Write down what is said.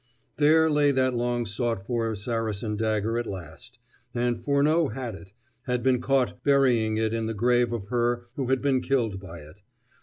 There lay that long sought for Saracen dagger at last: and Furneaux had it, had been caught burying it in the grave of her who had been killed by it.